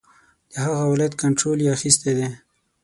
د هغه ولایت کنټرول یې اخیستی دی.